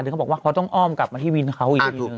เขาบอกว่าเขาต้องอ้อมกลับมาที่วินเขาอีกทีนึง